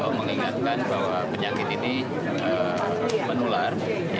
oh mengingatkan bahwa penyakit ini menular